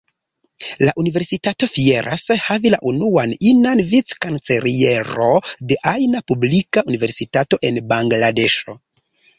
La universitato fieras havi la unuan inan Vic-kanceliero de ajna publika universitato en Bangladeŝo.